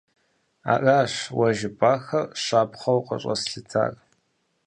Аращ уэ жыпӀахэр щапхъэу къыщӀэслъытар.